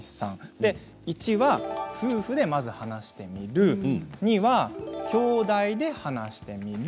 １は、夫婦でまず話してみる２は、きょうだいで話してみる